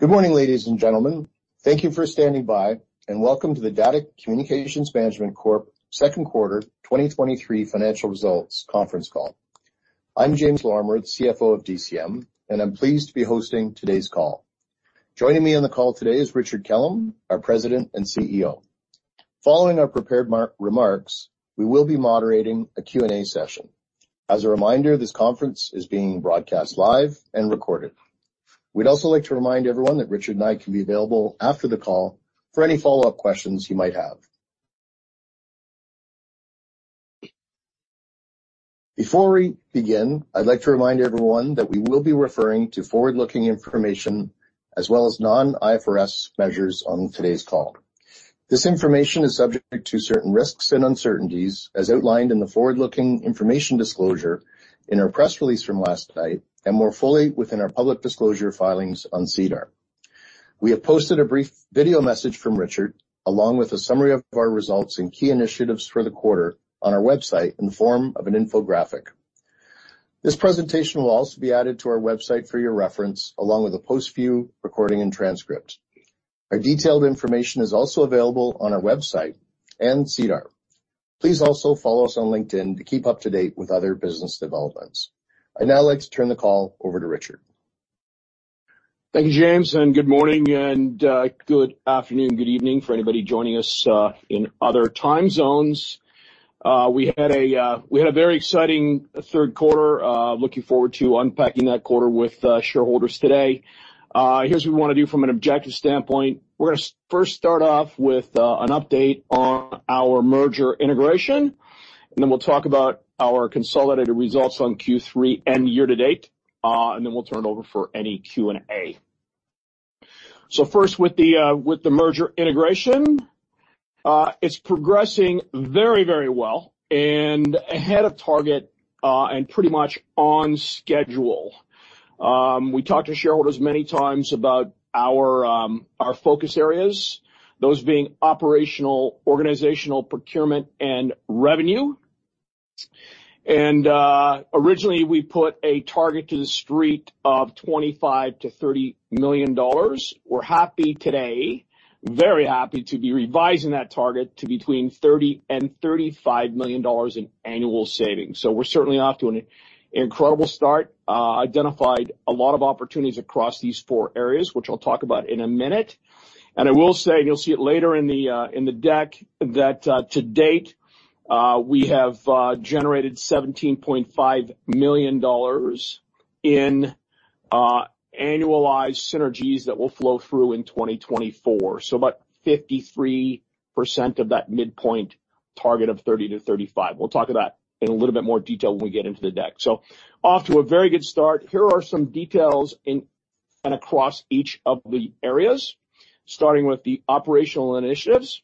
Good morning, ladies and gentlemen. Thank you for standing by, and welcome to the DATA Communications Management Corp. Second Quarter 2023 Financial Results conference call. I'm James Lorimer, CFO of DCM, and I'm pleased to be hosting today's call. Joining me on the call today is Richard Kellam, our President and CEO. Following our prepared remarks, we will be moderating a Q&A session. As a reminder, this conference is being broadcast live and recorded. We'd also like to remind everyone that Richard and I can be available after the call for any follow-up questions you might have. Before we begin, I'd like to remind everyone that we will be referring to forward-looking information as well as non-IFRS measures on today's call. This information is subject to certain risks and uncertainties, as outlined in the forward-looking information disclosure in our press release from last night, and more fully within our public disclosure filings on SEDAR. We have posted a brief video message from Richard, along with a summary of our results and key initiatives for the quarter, on our website in the form of an infographic. This presentation will also be added to our website for your reference, along with a post-view recording and transcript. Our detailed information is also available on our website and SEDAR. Please also follow us on LinkedIn to keep up to date with other business developments. I'd now like to turn the call over to Richard. Thank you, James, and good morning, and good afternoon, good evening for anybody joining us in other time zones. We had a very exciting third quarter. Looking forward to unpacking that quarter with shareholders today. Here's what we wanna do from an objective standpoint. We're gonna first start off with an update on our merger integration, and then we'll talk about our consolidated results on Q3 and year to date, and then we'll turn it over for any Q&A. So first, with the merger integration, it's progressing very, very well and ahead of target, and pretty much on schedule. We talked to shareholders many times about our focus areas, those being operational, organizational, procurement, and revenue. Originally, we put a target to the street of 25million-30 million dollars. We're happy today, very happy, to be revising that target to between 30 and 35 million dollars in annual savings. So we're certainly off to an incredible start. Identified a lot of opportunities across these four areas, which I'll talk about in a minute. And I will say, and you'll see it later in the, in the deck, that, to date, we have, generated 17.5 million dollars in, annualized synergies that will flow through in 2024, so about 53% of that midpoint target of 30 to 35. We'll talk about in a little bit more detail when we get into the deck. So off to a very good start. Here are some details in and across each of the areas, starting with the operational initiatives.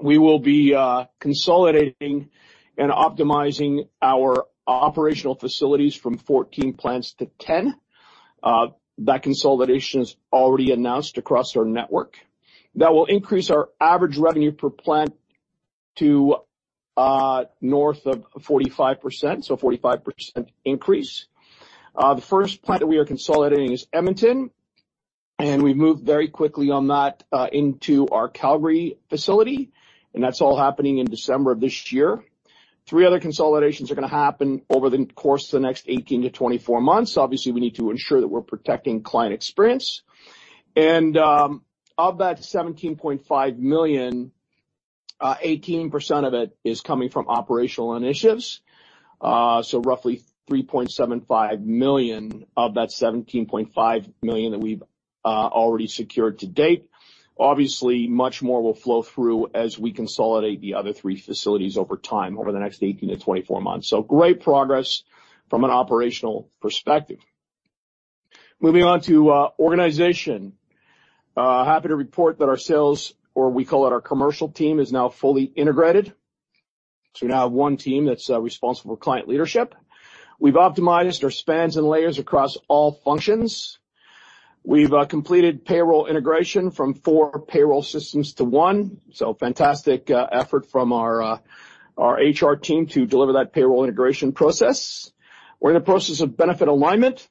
We will be consolidating and optimizing our operational facilities from 14 plants to 10. That consolidation is already announced across our network. That will increase our average revenue per plant to north of 45%, so 45% increase. The first plant that we are consolidating is Edmonton, and we've moved very quickly on that into our Calgary facility, and that's all happening in December of this year. Three other consolidations are gonna happen over the course of the next 18-24 months. Obviously, we need to ensure that we're protecting client experience. Of that 17.5 million, 18% of it is coming from operational initiatives, so roughly 3.75 million of that 17.5 million that we've already secured to date. Obviously, much more will flow through as we consolidate the other three facilities over time, over the next 18-24 months. So great progress from an operational perspective. Moving on to organization. Happy to report that our sales, or we call it our commercial team, is now fully integrated, so we now have 1 team that's responsible for client leadership. We've optimized our spans and layers across all functions. We've completed payroll integration from 4 payroll systems to 1, so fantastic effort from our our HR team to deliver that payroll integration process. We're in the process of benefit alignment.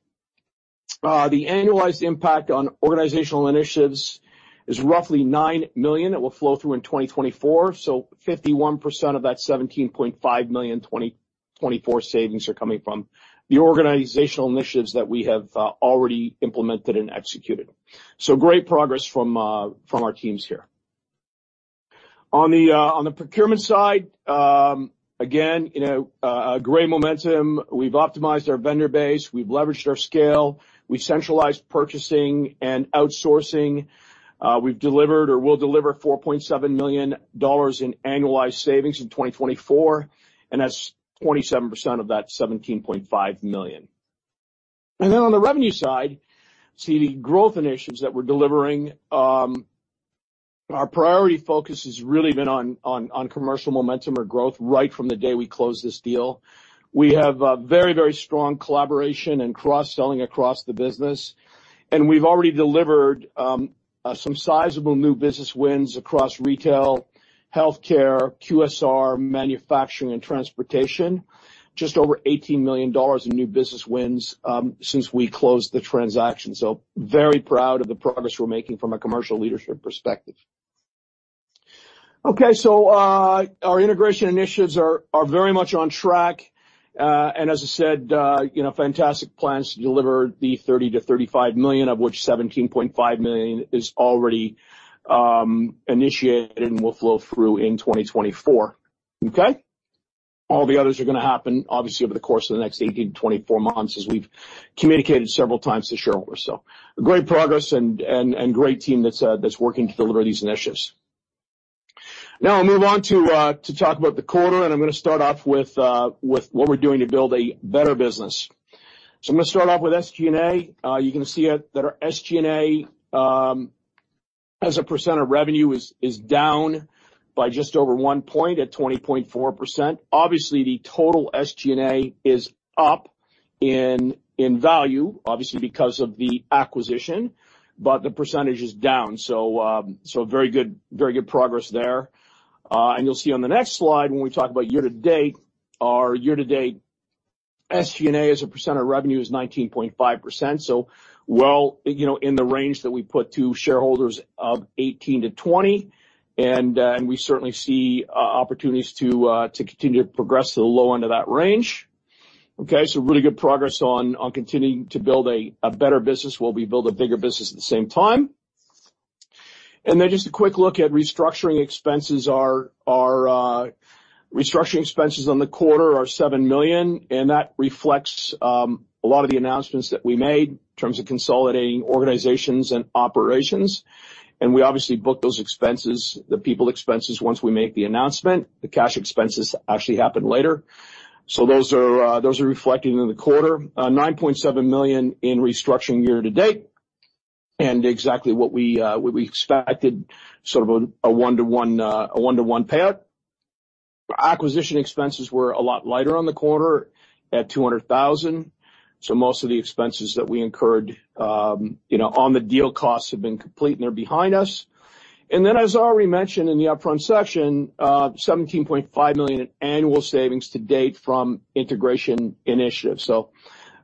The annualized impact on organizational initiatives is roughly 9 million. It will flow through in 2024, so 51% of that 17.5 million 2024 savings are coming from the organizational initiatives that we have already implemented and executed. So great progress from our teams here. On the procurement side, again, you know, a great momentum. We've optimized our vendor base. We've leveraged our scale. We've centralized purchasing and outsourcing. We've delivered, or we'll deliver, 4.7 million dollars in annualized savings in 2024, and that's 27% of that 17.5 million. And then on the revenue side, see the growth initiatives that we're delivering, our priority focus has really been on, on, on commercial momentum or growth right from the day we closed this deal. We have a very, very strong collaboration and cross-selling across the business, and we've already delivered, some sizable new business wins across retail, healthcare, QSR, manufacturing, and transportation, just over 18 million dollars in new business wins, since we closed the transaction. So very proud of the progress we're making from a commercial leadership perspective. Okay, so, our integration initiatives are very much on track. And as I said, you know, fantastic plans to deliver 30 million-35 million, of which 17.5 million is already initiated and will flow through in 2024. Okay? All the others are gonna happen, obviously, over the course of the next 18-24 months, as we've communicated several times to shareholders. So great progress and great team that's working to deliver these initiatives. Now I'll move on to talk about the quarter, and I'm gonna start off with what we're doing to build a better business. So I'm gonna start off with SG&A. You can see that our SG&A, as a percent of revenue is down by just over 1 point, at 20.4%. Obviously, the total SG&A is up in value, obviously, because of the acquisition, but the percentage is down, so, so very good, very good progress there. And you'll see on the next slide, when we talk about year to date, our year-to-date SG&A, as a percent of revenue, is 19.5%, so, well, you know, in the range that we put to shareholders of 18%-20%. And we certainly see opportunities to continue to progress to the low end of that range. Okay, so really good progress on continuing to build a better business while we build a bigger business at the same time. And then just a quick look at restructuring expenses. Our restructuring expenses on the quarter are 7 million, and that reflects a lot of the announcements that we made in terms of consolidating organizations and operations. We obviously book those expenses, the people expenses, once we make the announcement. The cash expenses actually happen later. Those are reflected in the quarter. 9.7 million in restructuring year to date, and exactly what we expected, sort of a one-to-one payout. Acquisition expenses were a lot lighter on the quarter at 200,000. So most of the expenses that we incurred, you know, on the deal costs have been complete, and they're behind us. Then, as already mentioned in the upfront section, 17.5 million in annual savings to date from integration initiatives. So,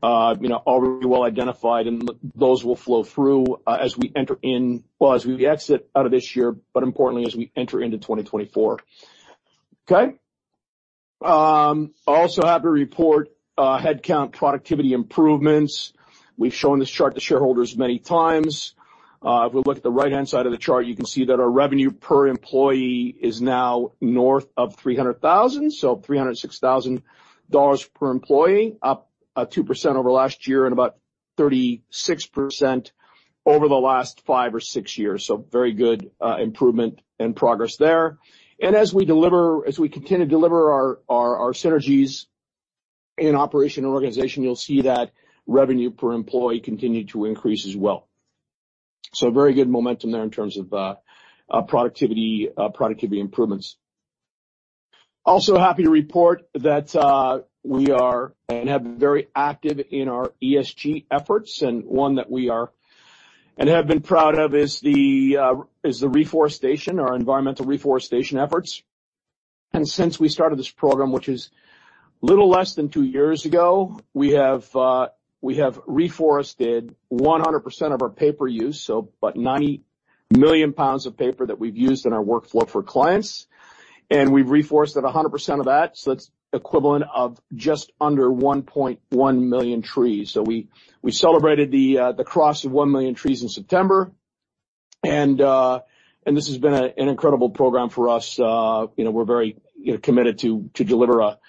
you know, already well identified, and those will flow through, as we exit out of this year, but importantly, as we enter into 2024. Okay? I also have to report headcount productivity improvements. We've shown this chart to shareholders many times. If we look at the right-hand side of the chart, you can see that our revenue per employee is now north of 300,000, so 306,000 dollars per employee, up 2% over last year and about 36% over the last 5 or 6 years. So very good improvement and progress there. As we continue to deliver our synergies in operation and organization, you'll see that revenue per employee continue to increase as well. So very good momentum there in terms of productivity improvements. Also happy to report that we are and have been very active in our ESG efforts, and one that we are and have been proud of is the reforestation, our environmental reforestation efforts. And since we started this program, which is little less than two years ago, we have reforested 100% of our paper use, so about 90 million pounds of paper that we've used in our workflow for clients, and we've reforested 100% of that, so that's equivalent of just under 1.1 million trees. So we celebrated the cross of 1 million trees in September, and this has been an incredible program for us. You know, we're very committed to deliver a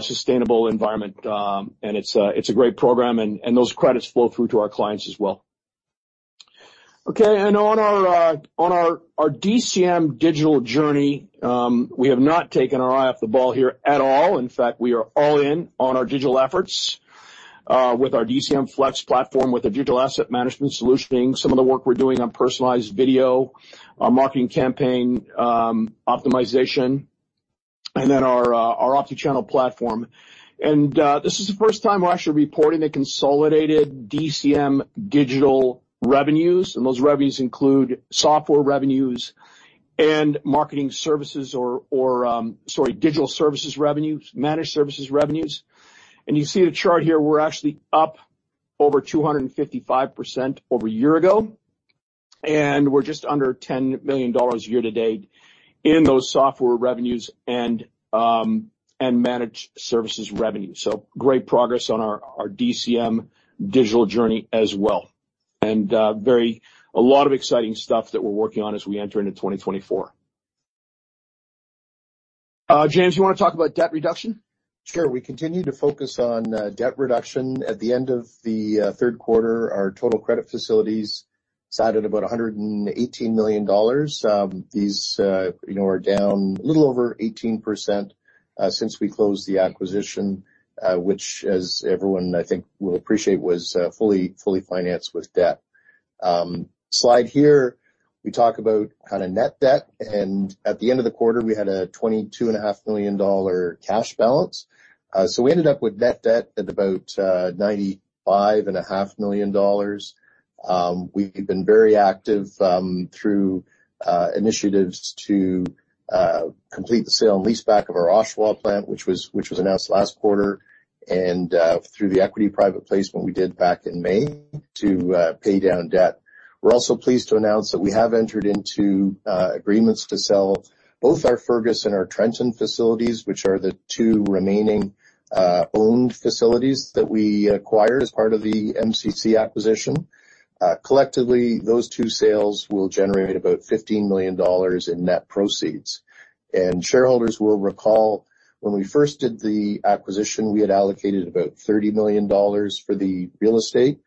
sustainable environment. And it's a great program, and those credits flow through to our clients as well. Okay, and on our DCM digital journey, we have not taken our eye off the ball here at all. In fact, we are all in on our digital efforts, with our DCMFlex platform, with the digital asset management solutioning, with some of the work we're doing on personalized video marketing campaign optimization, and then our omnichannel platform. This is the first time we're actually reporting the consolidated DCM digital revenues, and those revenues include software revenues and marketing services or digital services revenues, managed services revenues. And you see the chart here, we're actually up over 255% over a year ago, and we're just under 10 million dollars year to date in those software revenues and managed services revenues. So great progress on our DCM digital journey as well. And, very a lot of exciting stuff that we're working on as we enter into 2024. James, you wanna talk about debt reduction? Sure. We continue to focus on debt reduction. At the end of the third quarter, our total credit facilities sat at about 118 million dollars. These, you know, are down a little over 18%, since we closed the acquisition, which, as everyone, I think, will appreciate, was fully financed with debt. Slide here, we talk about kind of net debt, and at the end of the quarter, we had a 22.5 million dollar cash balance. So we ended up with net debt at about 95.5 million dollars. We've been very active through initiatives to complete the sale and leaseback of our Oshawa plant, which was announced last quarter, and through the equity private placement we did back in May to pay down debt. We're also pleased to announce that we have entered into agreements to sell both our Fergus and our Trenton facilities, which are the two remaining owned facilities that we acquired as part of the MCC acquisition. Collectively, those two sales will generate about 15 million dollars in net proceeds. Shareholders will recall, when we first did the acquisition, we had allocated about 30 million dollars for the real estate.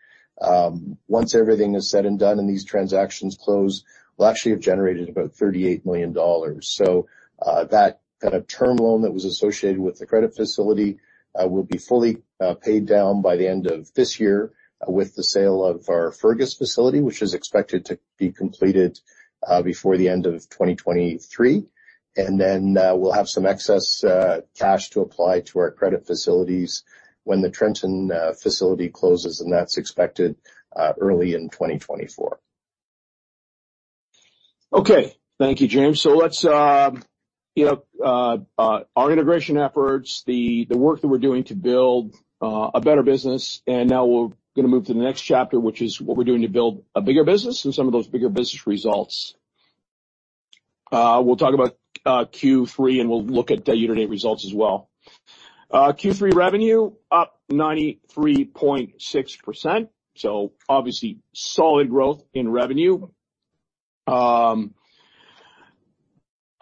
Once everything is said and done, and these transactions close, we'll actually have generated about 38 million dollars. That kind of term loan that was associated with the credit facility will be fully paid down by the end of this year with the sale of our Fergus facility, which is expected to be completed before the end of 2023. Then we'll have some excess cash to apply to our credit facilities when the Trenton facility closes, and that's expected early in 2024. Okay. Thank you, James. So let's, you know, our integration efforts, the work that we're doing to build a better business, and now we're gonna move to the next chapter, which is what we're doing to build a bigger business and some of those bigger business results. We'll talk about Q3, and we'll look at the year-to-date results as well. Q3 revenue up 93.6%, so obviously, solid growth in revenue.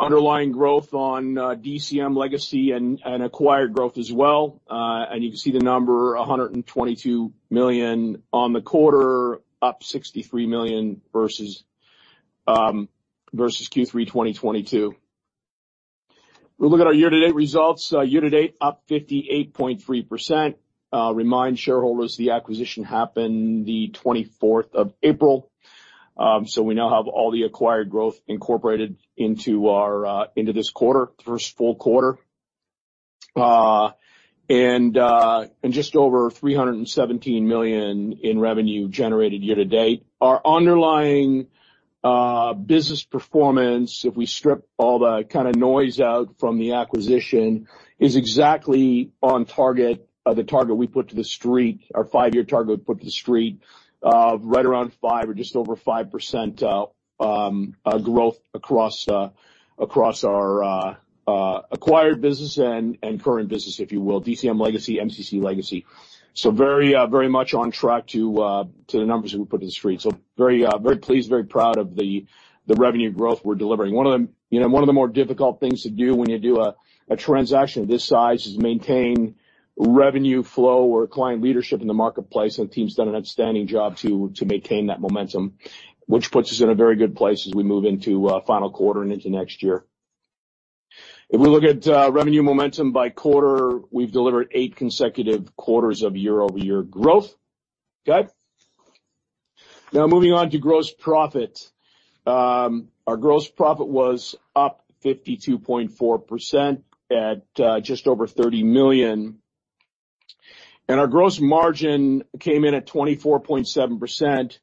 Underlying growth on DCM legacy and acquired growth as well. And you can see the number, 122 million on the quarter, up 63 million versus Q3 2022. We'll look at our year-to-date results. Year-to-date, up 58.3%. Remind shareholders, the acquisition happened the 24th of April. So we now have all the acquired growth incorporated into our into this quarter, first full quarter. And just over 317 million in revenue generated year to date. Our underlying business performance, if we strip all the kind of noise out from the acquisition, is exactly on target, the target we put to the street, our 5-year target we put to the street. Right around 5% or just over 5%, growth across across our acquired business and current business, if you will, DCM legacy, MCC legacy. So very very much on track to to the numbers we put to the street. So very very pleased, very proud of the the revenue growth we're delivering. One of the, you know, one of the more difficult things to do when you do a, a transaction of this size is maintain revenue flow or client leadership in the marketplace, and the team's done an outstanding job to, to maintain that momentum, which puts us in a very good place as we move into final quarter and into next year. If we look at revenue momentum by quarter, we've delivered eight consecutive quarters of year-over-year growth. Okay? Now moving on to gross profit. Our gross profit was up 52.4% at just over 30 million. And our gross margin came in at 24.7%,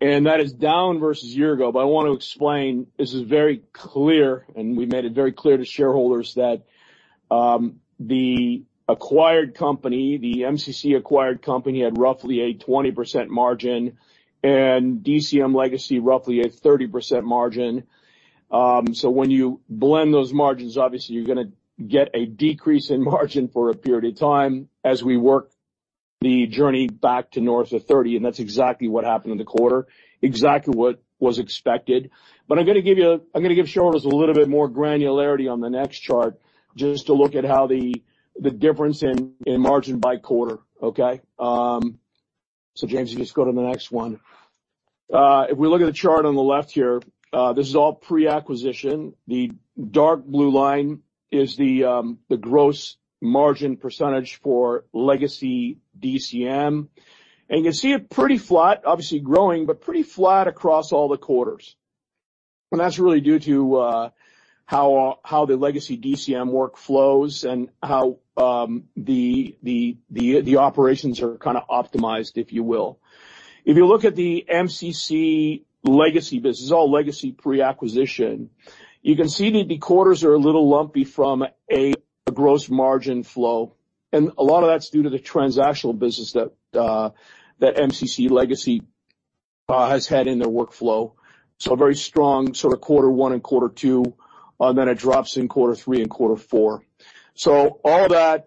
and that is down versus a year ago. But I want to explain, this is very clear, and we made it very clear to shareholders that the acquired company, the MCC-acquired company, had roughly a 20% margin, and DCM legacy, roughly a 30% margin. So when you blend those margins, obviously you're gonna get a decrease in margin for a period of time as we work the journey back to north of 30, and that's exactly what happened in the quarter, exactly what was expected. But I'm gonna give you- I'm gonna give shareholders a little bit more granularity on the next chart, just to look at how the difference in margin by quarter, okay? So James, you just go to the next one. If we look at the chart on the left here, this is all pre-acquisition. The dark blue line is the gross margin percentage for legacy DCM, and you see it pretty flat, obviously growing, but pretty flat across all the quarters. And that's really due to how the legacy DCM workflows and how the operations are kind of optimized, if you will. If you look at the MCC legacy business, this is all legacy pre-acquisition, you can see the quarters are a little lumpy from a gross margin flow, and a lot of that's due to the transactional business that that MCC legacy has had in their workflow. So a very strong sort of quarter one and quarter two, and then it drops in quarter three and quarter four. So all that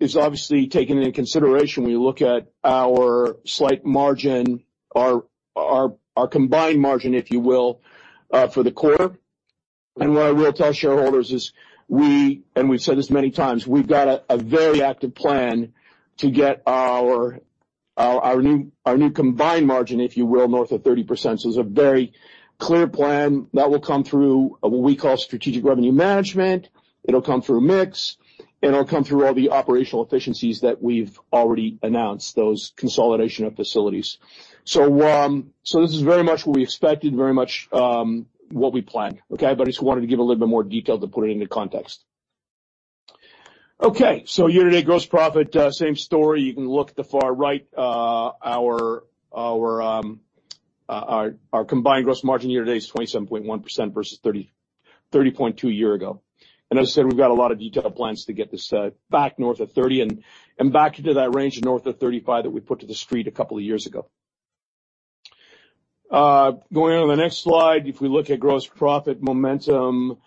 is obviously taken into consideration when you look at our slight margin, our combined margin, if you will, for the quarter. And what I will tell shareholders is we, and we've said this many times, we've got a very active plan to get our new combined margin, if you will, north of 30%. So it's a very clear plan that will come through what we call strategic revenue management, it'll come through mix, and it'll come through all the operational efficiencies that we've already announced, those consolidation of facilities. So this is very much what we expected, very much what we planned, okay? I just wanted to give a little bit more detail to put it into context. Okay, so year-to-date gross profit, same story. You can look at the far right. Our combined gross margin year to date is 27.1% versus 30.2% year ago. And as I said, we've got a lot of detailed plans to get this back north of 30% and back into that range of north of 35% that we put to the street a couple of years ago. Going on to the next slide, if we look at gross profit momentum,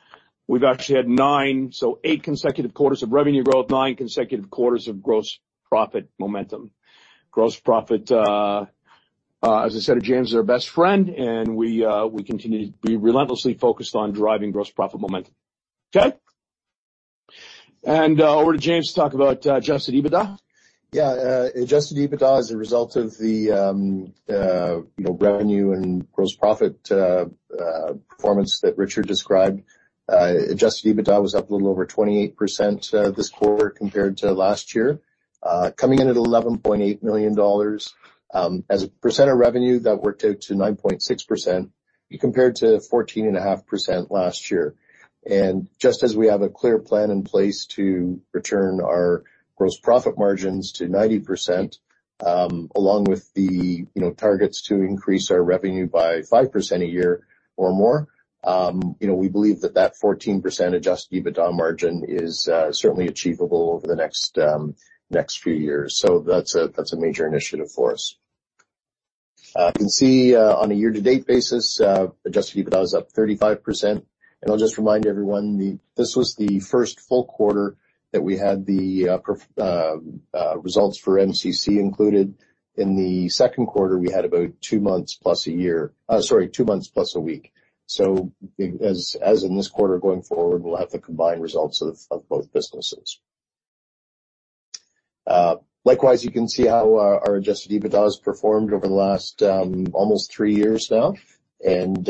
we've actually had nine, so eight consecutive quarters of revenue growth, nine consecutive quarters of gross profit momentum. Gross profit, as I said, James, is our best friend, and we continue to be relentlessly focused on driving gross profit momentum. Okay? And over to James to talk about Adjusted EBITDA. Yeah, Adjusted EBITDA as a result of the, you know, revenue and gross profit performance that Richard described. Adjusted EBITDA was up a little over 28%, this quarter compared to last year, coming in at 11.8 million dollars. As a percent of revenue, that worked out to 9.6% compared to 14.5% last year. And just as we have a clear plan in place to return our gross profit margins to 90%, along with the, you know, targets to increase our revenue by 5% a year or more, you know, we believe that that 14% Adjusted EBITDA margin is certainly achievable over the next few years. So that's a major initiative for us. You can see on a year-to-date basis, Adjusted EBITDA is up 35%. And I'll just remind everyone, this was the first full quarter that we had the results for MCC included. In the second quarter, we had about two months plus a week. So as in this quarter going forward, we'll have the combined results of both businesses. Likewise, you can see how our Adjusted EBITDA has performed over the last almost three years now. And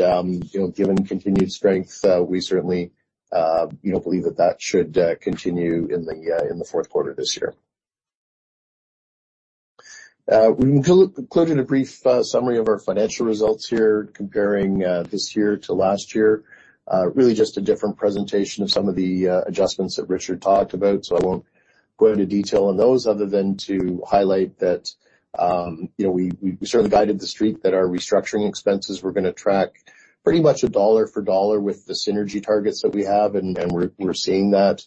you know, given continued strength, we certainly believe that that should continue in the fourth quarter this year. We included a brief summary of our financial results here, comparing this year to last year. Really just a different presentation of some of the adjustments that Richard talked about, so I won't go into detail on those other than to highlight that, you know, we certainly guided the street that our restructuring expenses were gonna track pretty much a dollar for dollar with the synergy targets that we have, and we're seeing that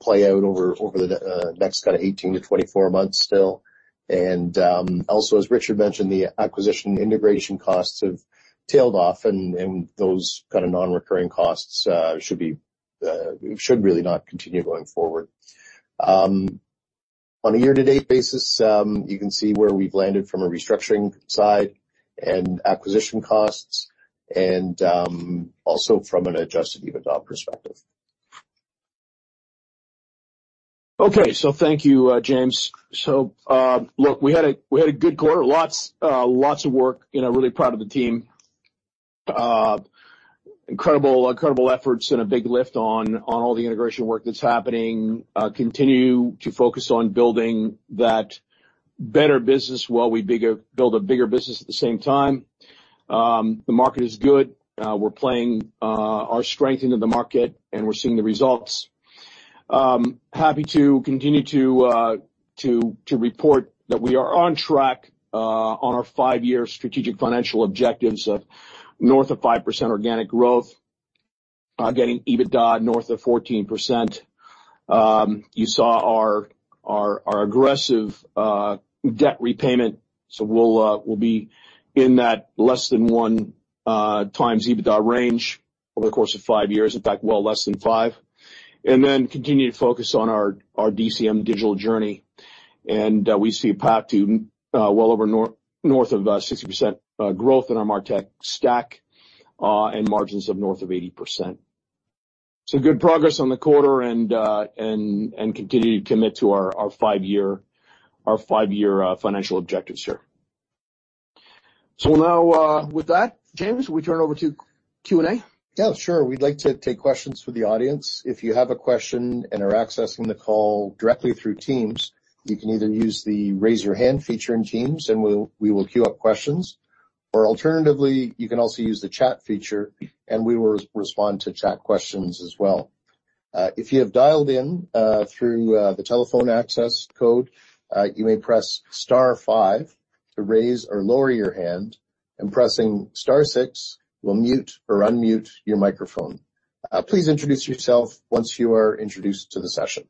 play out over the next kind of 18-24 months still. Also, as Richard mentioned, the acquisition integration costs have tailed off, and those kind of non-recurring costs should really not continue going forward. On a year-to-date basis, you can see where we've landed from a restructuring side and acquisition costs and also from an Adjusted EBITDA perspective. Okay. So thank you, James. So, look, we had a good quarter. Lots of work, you know, really proud of the team. Incredible efforts and a big lift on all the integration work that's happening. Continue to focus on building that better business while we build a bigger business at the same time. The market is good. We're playing our strength into the market, and we're seeing the results. Happy to continue to report that we are on track on our five-year strategic financial objectives of north of 5% organic growth, getting EBITDA north of 14%. You saw our aggressive debt repayment, so we'll be in that less than one times EBITDA range over the course of five years. In fact, well, less than 5. And then continue to focus on our DCM digital journey. And we see a path to well over north of 60% growth in our MarTech stack and margins of north of 80%. So good progress on the quarter and continue to commit to our 5-year financial objectives here. So now, with that, James, we turn over to Q&A? Yeah, sure. We'd like to take questions for the audience. If you have a question and are accessing the call directly through Teams, you can either use the Raise Your Hand feature in Teams, and we'll queue up questions. Or alternatively, you can also use the chat feature, and we will respond to chat questions as well. If you have dialed in through the telephone access code, you may press star five to raise or lower your hand, and pressing star six will mute or unmute your microphone. Please introduce yourself once you are introduced to the session.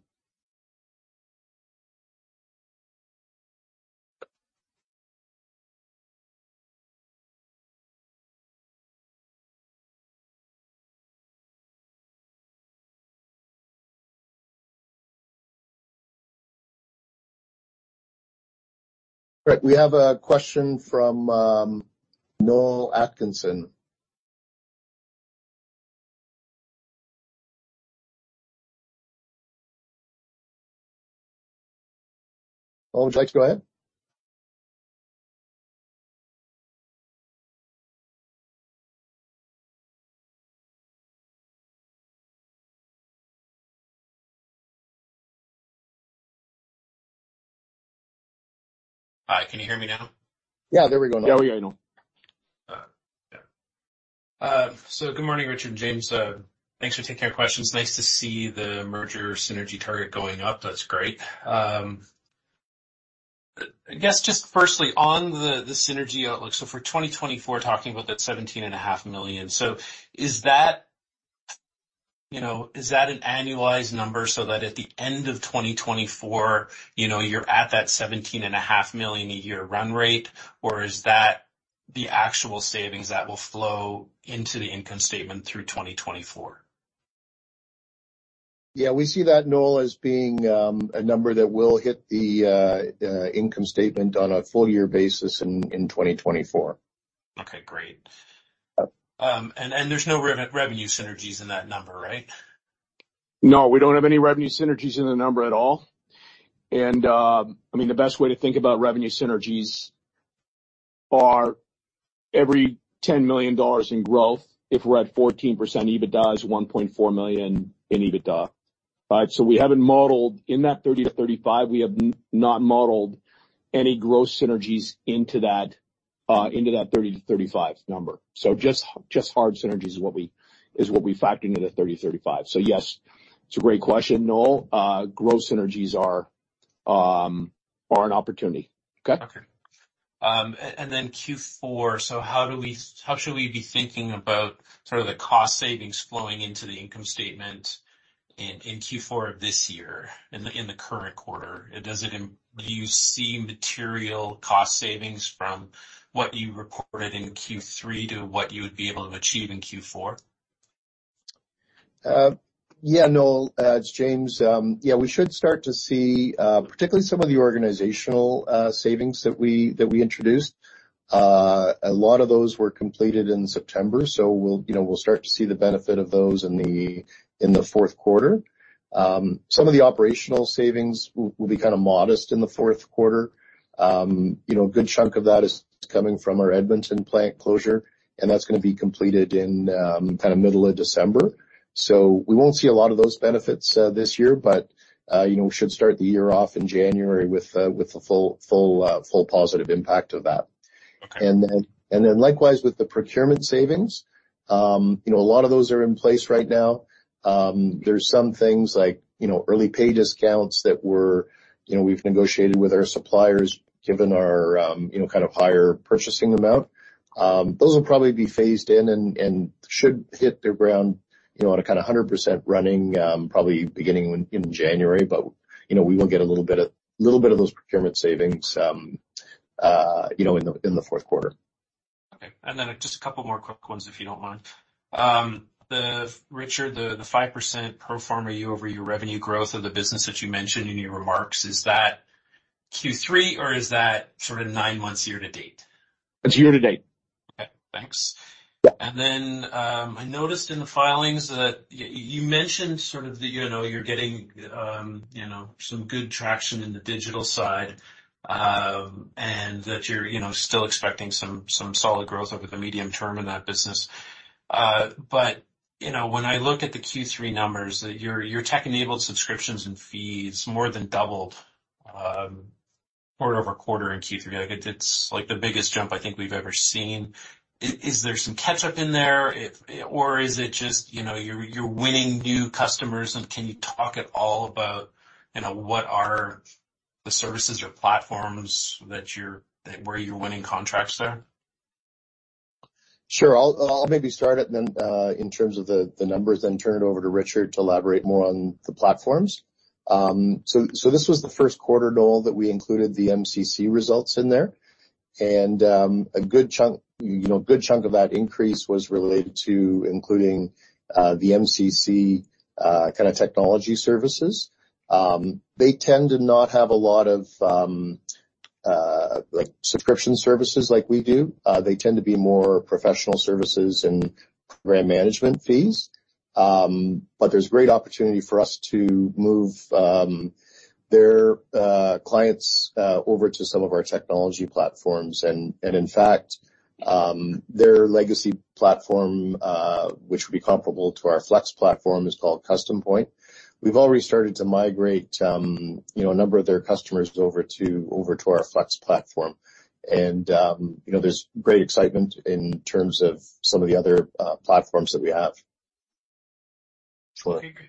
Great, we have a question from Noel Atkinson. Noel, would you like to go ahead? Hi, can you hear me now? Yeah, there we go, Noel. Yeah, we hear you, Noel. Yeah. So good morning, Richard, James. Thanks for taking our questions. Nice to see the merger synergy target going up. That's great.... I guess just firstly, on the synergy outlook. So for 2024, talking about that 17.5 million. So is that, you know, is that an annualized number so that at the end of 2024, you know, you're at that 17.5 million a year run rate? Or is that the actual savings that will flow into the income statement through 2024? Yeah, we see that, Noel, as being a number that will hit the income statement on a full year basis in 2024. Okay, great. Yep. And there's no revenue synergies in that number, right? No, we don't have any revenue synergies in the number at all. And, I mean, the best way to think about revenue synergies are every 10 million dollars in growth, if we're at 14% EBITDA, is 1.4 million in EBITDA, right? So we haven't modeled... In that 30-35, we have not modeled any growth synergies into that, into that 30-35 number. So just, just hard synergies is what we, is what we factor into the 30-35. So yes, it's a great question, Noel. Growth synergies are, are an opportunity. Okay? Okay. And then Q4, so how should we be thinking about sort of the cost savings flowing into the income statement in Q4 of this year, in the current quarter? And do you see material cost savings from what you recorded in Q3 to what you would be able to achieve in Q4? Yeah, Noel, it's James. Yeah, we should start to see, particularly some of the organizational savings that we, that we introduced. A lot of those were completed in September, so we'll, you know, we'll start to see the benefit of those in the, in the fourth quarter. Some of the operational savings will be kind of modest in the fourth quarter. You know, a good chunk of that is coming from our Edmonton plant closure, and that's gonna be completed in, kind of middle of December. So we won't see a lot of those benefits, this year, but, you know, we should start the year off in January with, with the full, full, full positive impact of that. Okay. And then likewise, with the procurement savings, you know, a lot of those are in place right now. There's some things like, you know, early pay discounts that were, you know, we've negotiated with our suppliers, given our, you know, kind of higher purchasing amount. Those will probably be phased in and should hit the ground, you know, on a kind of 100% running, probably beginning in January. But, you know, we will get a little bit of those procurement savings, you know, in the fourth quarter. Okay. Then just a couple more quick ones, if you don't mind. Richard, the 5% pro forma year-over-year revenue growth of the business that you mentioned in your remarks, is that Q3, or is that sort of nine months year to date? It's year to date. Okay, thanks. Yeah. And then, I noticed in the filings that you mentioned sort of the, you know, you're getting, you know, some good traction in the digital side, and that you're, you know, still expecting some solid growth over the medium term in that business. But, you know, when I look at the Q3 numbers, your tech-enabled subscriptions and fees more than doubled, quarter-over-quarter in Q3. Like, it's like the biggest jump I think we've ever seen. Is there some catch-up in there? Or is it just, you know, you're winning new customers? And can you talk at all about, you know, what are the services or platforms that you're where you're winning contracts there? Sure. I'll maybe start it, and then in terms of the numbers, then turn it over to Richard to elaborate more on the platforms. So this was the first quarter, Noel, that we included the MCC results in there. And a good chunk, you know, a good chunk of that increase was related to including the MCC kind of technology services. They tend to not have a lot of like subscription services like we do. They tend to be more professional services and program management fees. But there's great opportunity for us to move their clients over to some of our technology platforms. And in fact, their legacy platform, which would be comparable to our Flex platform, is called Custom Point. We've already started to migrate, you know, a number of their customers over to, over to our Flex platform. And, you know, there's great excitement in terms of some of the other platforms that we have. Richard?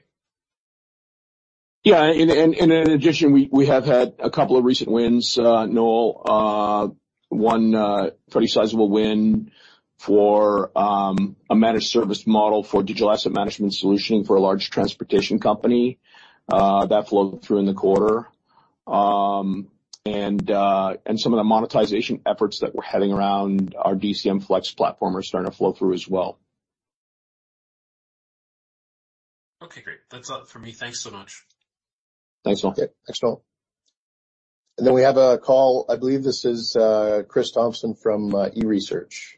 Yeah, and in addition, we have had a couple of recent wins, Noel. One pretty sizable win for a managed service model for digital asset management solutioning for a large transportation company that flowed through in the quarter. And some of the monetization efforts that we're having around our DCMFlex platform are starting to flow through as well. Okay, great. That's all for me. Thanks so much. Thanks, Noel. Okay, thanks, Noel. And then we have a call. I believe this is Chris Thompson from eResearch.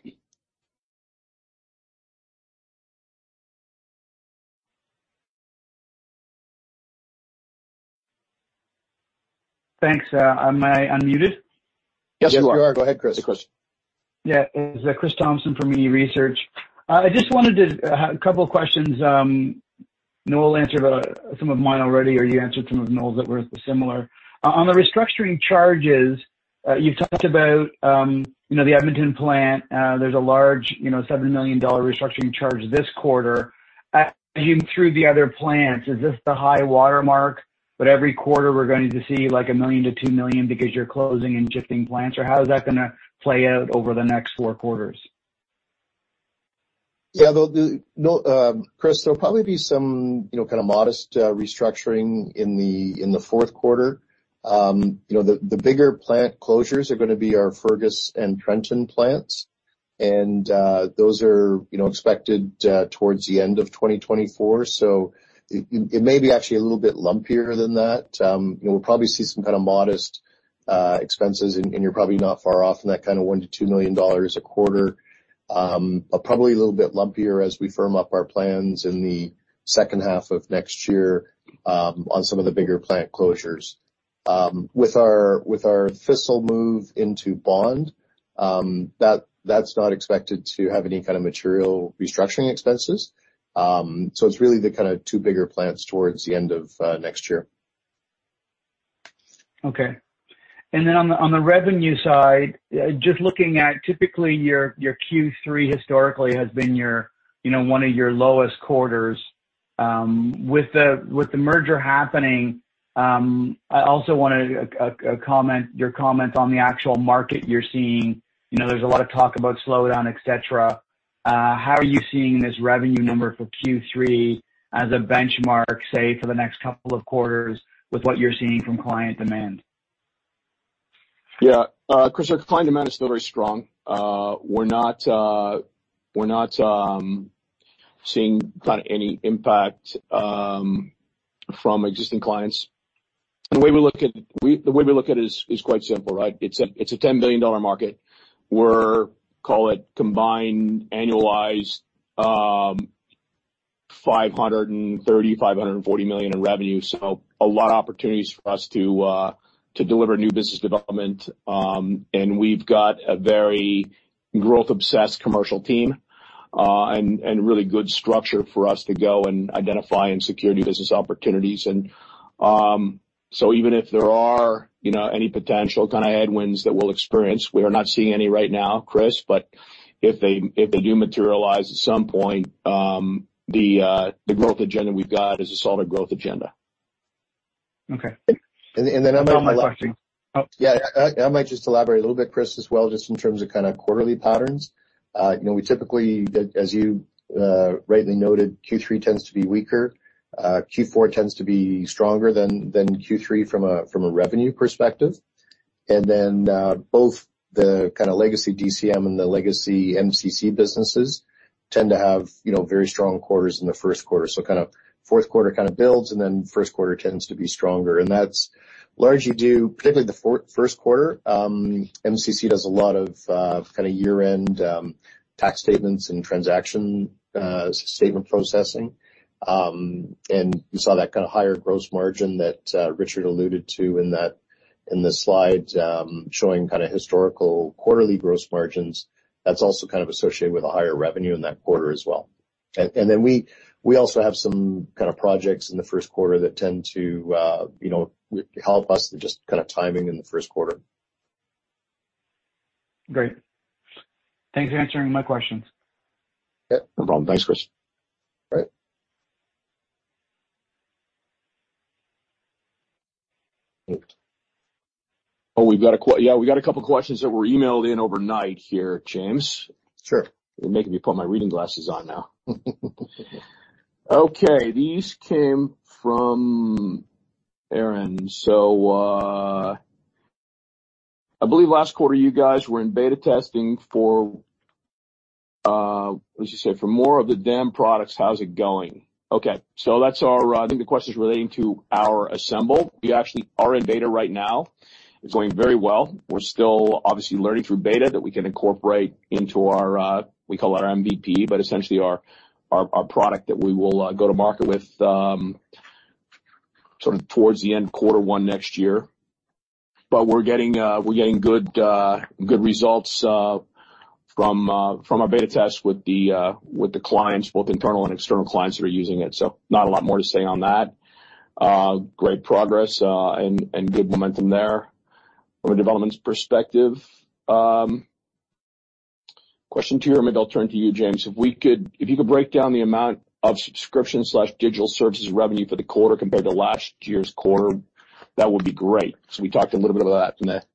Thanks. Am I unmuted? Yes, you are. Yes, you are. Go ahead, Chris. Good question. Yeah, it's Chris Thompson from eResearch. I just wanted to a couple of questions. Noel answered some of mine already, or you answered some of Noel's that were similar. On the restructuring charges, you talked about, you know, the Edmonton plant. There's a large, you know, 7 million dollar restructuring charge this quarter. As you move through the other plants, is this the high water mark, but every quarter we're going to see, like, 1 million-2 million because you're closing and shifting plants? Or how is that gonna play out over the next four quarters? Yeah, they'll Chris, there'll probably be some, you know, kind of modest restructuring in the fourth quarter. You know, the bigger plant closures are gonna be our Fergus and Trenton plants, and those are, you know, expected towards the end of 2024. So it may be actually a little bit lumpier than that. You know, we'll probably see some kind of modest expenses, and you're probably not far off in that kind of 1 million-2 million dollars a quarter. But probably a little bit lumpier as we firm up our plans in the second half of next year, on some of the bigger plant closures. With our Thistle move into Bond, that's not expected to have any kind of material restructuring expenses. So it's really the kind of two bigger plants towards the end of next year. Okay. On the revenue side, just looking at typically, your Q3 historically has been your, you know, one of your lowest quarters. With the merger happening, I also wanted your comment on the actual market you're seeing. You know, there's a lot of talk about slowdown, et cetera. How are you seeing this revenue number for Q3 as a benchmark, say, for the next couple of quarters with what you're seeing from client demand? Yeah, Chris, our client demand is still very strong. We're not seeing kind of any impact from existing clients. The way we look at it is quite simple, right? It's a 10 billion dollar market. We're, call it combined, annualized, 530 million-540 million in revenue. So a lot of opportunities for us to deliver new business development. And we've got a very growth-obsessed commercial team, and really good structure for us to go and identify and secure business opportunities. Even if there are, you know, any potential kind of headwinds that we'll experience, we are not seeing any right now, Chris, but if they do materialize at some point, the growth agenda we've got is a solid growth agenda. Okay. And then I might- That's all my questions. Oh. Yeah, I might just elaborate a little bit, Chris, as well, just in terms of kind of quarterly patterns. You know, we typically, as you rightly noted, Q3 tends to be weaker. Q4 tends to be stronger than Q3 from a revenue perspective. And then, both the kind of legacy DCM and the legacy MCC businesses tend to have, you know, very strong quarters in the first quarter. So kind of fourth quarter kind of builds, and then first quarter tends to be stronger, and that's largely due, particularly the first quarter, MCC does a lot of kind of year-end tax statements and transaction statement processing. And you saw that kind of higher gross margin that Richard alluded to in the slides, showing kind of historical quarterly gross margins. That's also kind of associated with a higher revenue in that quarter as well. And then we also have some kind of projects in the first quarter that tend to, you know, help us with just kind of timing in the first quarter. Great. Thanks for answering my questions. Yep, no problem. Thanks, Chris. Bye. Oh, we've got a couple questions that were emailed in overnight here, James. Sure. You're making me put my reading glasses on now. Okay, these came from Aaron. So, I believe last quarter, you guys were in beta testing for, let's just say, for more of the DAM products. How's it going? Okay, so that's our. I think the question is relating to our ASMBL. We actually are in beta right now. It's going very well. We're still obviously learning through beta, that we can incorporate into our, we call it our MVP, but essentially our product that we will go to market with, sort of towards the end of quarter one next year. But we're getting good results from our beta test with the clients, both internal and external clients that are using it. So not a lot more to say on that. Great progress, and good momentum there from a development perspective. Question two here, maybe I'll turn to you, James. If you could break down the amount of subscription/digital services revenue for the quarter compared to last year's quarter, that would be great. So we talked a little bit about that today.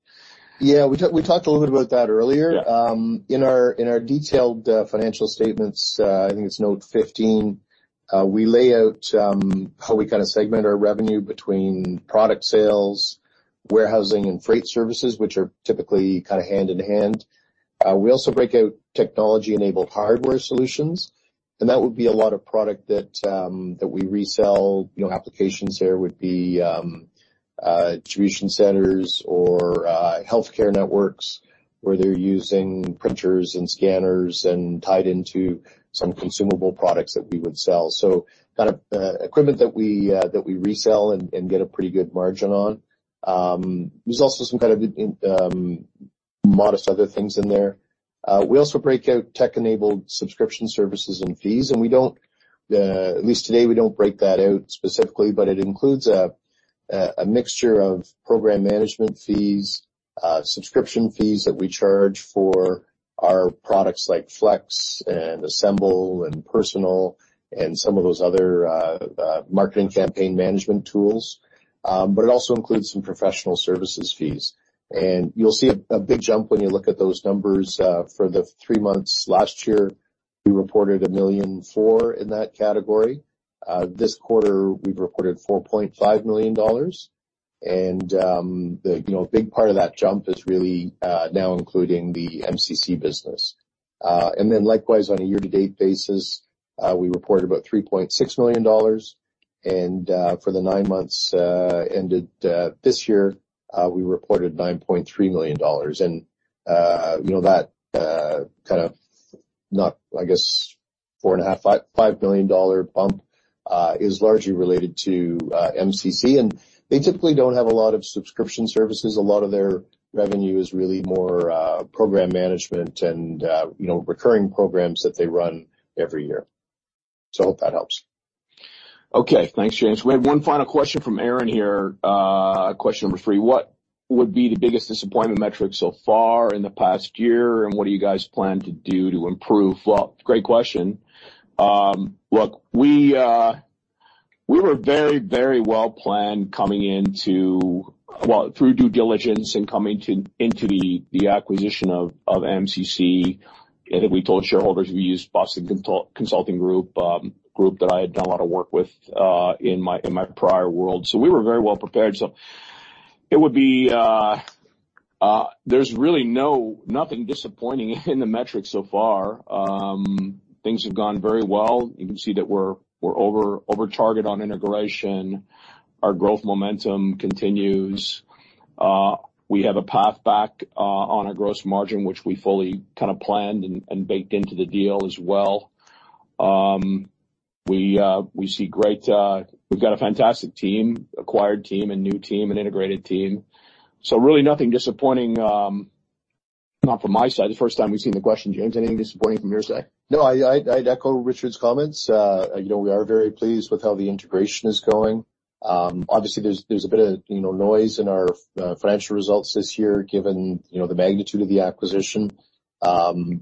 Yeah, we talked, we talked a little bit about that earlier. Yeah. In our detailed financial statements, I think it's Note 15, we lay out how we kind of segment our revenue between product sales, warehousing and freight services, which are typically kind of hand in hand. We also break out technology-enabled hardware solutions, and that would be a lot of product that we resell. You know, applications there would be distribution centers or healthcare networks, where they're using printers and scanners and tied into some consumable products that we would sell. So kind of equipment that we resell and get a pretty good margin on. There's also some kind of modest other things in there. We also break out tech-enabled subscription services and fees, and we don't, at least today, we don't break that out specifically, but it includes a mixture of program management fees, subscription fees that we charge for our products like Flex and ASMBL and Personal, and some of those other marketing campaign management tools. But it also includes some professional services fees. You'll see a big jump when you look at those numbers for the three months. Last year, we reported 1.4 million in that category. This quarter, we've reported 4.5 million dollars. You know, the big part of that jump is really now including the MCC business. And then likewise, on a year-to-date basis, we reported about 3.6 million dollars, and for the nine months ended this year, we reported 9.3 million dollars. And, you know, that kind of not, I guess, 4.5 million-5.5 million dollar bump is largely related to MCC, and they typically don't have a lot of subscription services. A lot of their revenue is really more program management and, you know, recurring programs that they run every year. So I hope that helps. Okay. Thanks, James. We have one final question from Aaron here, question number three: What would be the biggest disappointment metric so far in the past year, and what do you guys plan to do to improve? Well, great question. Look, we were very, very well planned coming into, well, through due diligence and coming into the acquisition of MCC. I think we told shareholders we used Boston Consulting Group, group that I had done a lot of work with, in my prior world, so we were very well prepared. So it would be, there's really nothing disappointing in the metrics so far. Things have gone very well. You can see that we're over target on integration. Our growth momentum continues. We have a path back on our gross margin, which we fully kind of planned and baked into the deal as well. We see great... We've got a fantastic team, acquired team, a new team, an integrated team, so really nothing disappointing, not from my side. The first time we've seen the question, James, anything disappointing from your side? No, I'd echo Richard's comments. You know, we are very pleased with how the integration is going. Obviously, there's a bit of, you know, noise in our financial results this year, given, you know, the magnitude of the acquisition.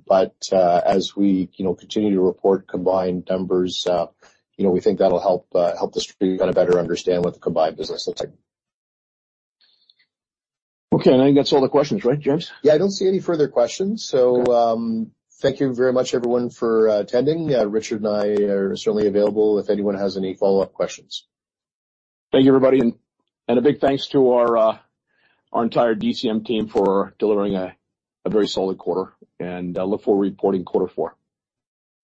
But as we, you know, continue to report combined numbers, you know, we think that'll help the street kind of better understand what the combined business looks like. Okay, I think that's all the questions, right, James? Yeah, I don't see any further questions. Okay. Thank you very much, everyone, for attending. Richard and I are certainly available if anyone has any follow-up questions. Thank you, everybody, and a big thanks to our entire DCM team for delivering a very solid quarter, and look forward to reporting quarter four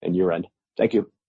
and year-end. Thank you.